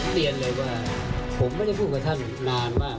เรียนเลยว่าผมไม่ได้พูดกับท่านนานมาก